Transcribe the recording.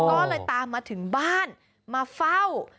ก็เลยตามมาถึงบ้านมาเฝ้า